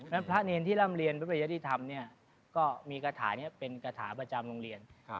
พระเนรที่ร่ำเรียนพระปริยติธรรมเนี่ยก็มีกระถานี้เป็นกระถาประจำโรงเรียน